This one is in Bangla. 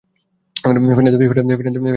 ফেলে দে ধ্যান, ফেলে দে মুক্তি-ফুক্তি।